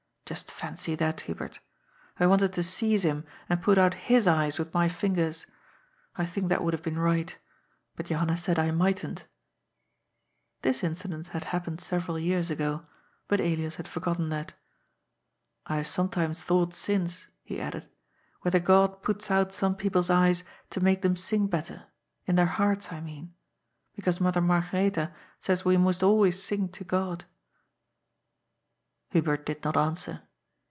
Just fancy that, Hubert I wanted to seize him and put out his eyes with my fingers. I think that would have been right But Johanna said I mightn't" This incident had happened several years ago, but Elias had forgotten that ^'I have sometimes thought since," he added, ^^ whether God puts out some people's eyes to make them sing better — in their hearts, I mean. Because Mother Margaretha says we must always sing to Ood." Hubert did not answer.